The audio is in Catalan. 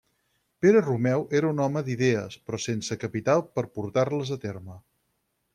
Pere Romeu era un home d'idees però sense capital per portar-les a terme.